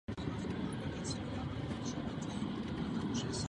V kapli nejsou slouženy pravidelné bohoslužby.